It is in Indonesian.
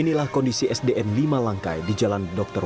inilah kondisi sdm lima langkai di jalan dokter